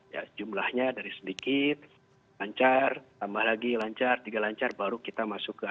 ya ya baik